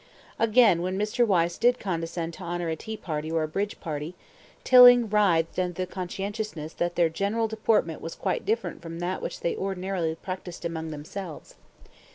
Again when Mr. Wyse did condescend to honour a tea party or a bridge party, Tilling writhed under the consciousness that their general deportment was quite different from that which they ordinarily practised among themselves.